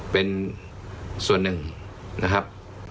เป็นส่วนหนึ่งนะครับ